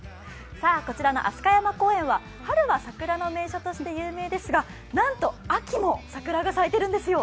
こちらの飛鳥山公園は春は桜の名所として有名ですがなんと秋も桜が咲いているんですよ。